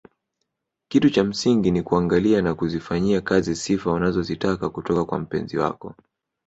Kitu cha msingi ni kuangalia na kuzifanyia kazi sifa unazozitaka kutoka kwa mpenzi wako